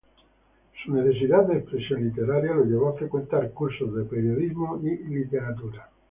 Su necesidad de expresión literaria lo llevó a frecuentar cursos de periodismo y literatura.